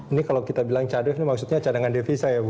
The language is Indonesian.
ini kalau kita bilang cade ini maksudnya cadangan devisa ya bu